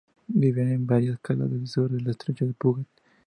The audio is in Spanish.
Viven en varias calas al sur del estrecho de Puget.